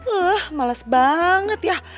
eh males banget ya